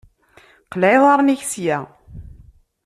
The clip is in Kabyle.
Qleɛ iḍaṛṛen-ik sya!